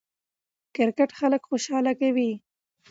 کرکټ خلک خوشحاله کوي.